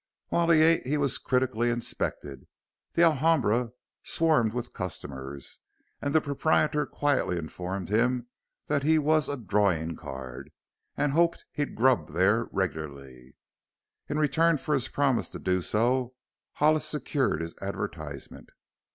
While he ate he was critically inspected; the Alhambra swarmed with customers, and the proprietor quietly informed him that he was a "drawin' card" and hoped he'd "grub" there regularly. In return for his promise to do so Hollis secured his advertisement.